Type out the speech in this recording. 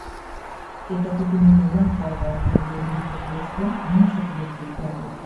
এটাকে তিনি রোমক বর্ররতা বলে অভিহিত করেছিলেন এবং সকলের দৃষ্টি আকর্ষণ করেছিলেন।